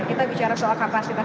kita bicara soal kapasitas